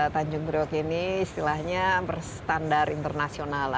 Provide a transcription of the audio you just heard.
tanjung priok ini istilahnya berstandar internasional